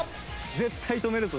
絶対止めるぞ！